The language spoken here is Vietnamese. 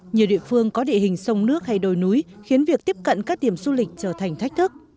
nhiều địa phương có địa hình sông nước hay đồi núi khiến việc tiếp cận các điểm du lịch trở thành thách thức